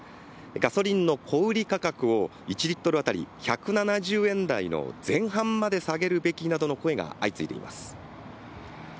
ガソリンの小売り価格を１リットル当たり１７０円台の前半まで下げるべきなどの声が相次いでいます。